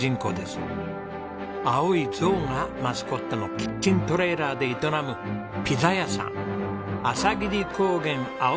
青いゾウがマスコットのキッチントレーラーで営むピザ屋さん